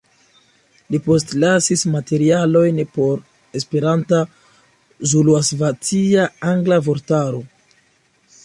Li postlasis materialojn por Esperanta-zuluasvatia-angla vortaro.